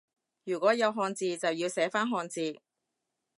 如果有漢字就要寫返漢字